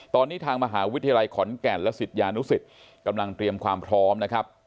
ตอนนี้ทางมหาวิทยาลัยขอนแก่นและศิษยานุสิตกำลังเตรียมความพร้อมนะครับ